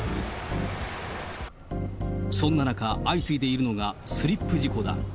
そんな中、相次いでいるのがスリップ事故だ。